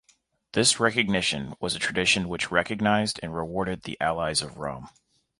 This recognition was a tradition which recognized and rewarded the allies of Rome.